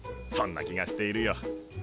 そんな気がしているよ。